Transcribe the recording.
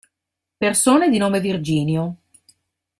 Persone di nome Virginio